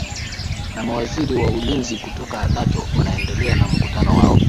na mawaziri wa ulinzi kutoka nato wanaendelea na mkutano wao